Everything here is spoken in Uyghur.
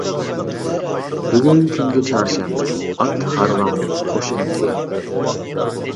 بۈگۈن كۈنگە چارشەنبە، ئات ھارۋاڭنى قوش ئەمدى.